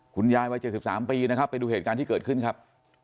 คุณยายวัย๗๓ปีนะครับไปดูเหตุการณ์ที่เกิดขึ้นครับ